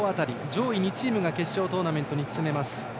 上位２チームが決勝トーナメントに進めます。